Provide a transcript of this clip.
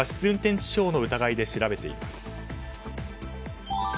運転致傷の疑いで調べています。